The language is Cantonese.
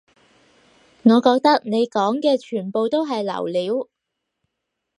我覺得你講嘅全部都係流料